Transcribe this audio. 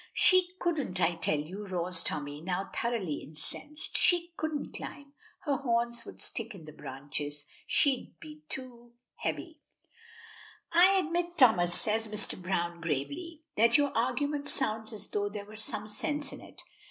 "She couldn't, I tell you," roars Tommy, now thoroughly incensed. "She couldn't climb. Her horns would stick in the branches. She'd be too heavy!" "I admit, Thomas," says Mr. Browne gravely, "that your argument sounds as though there were some sense in it.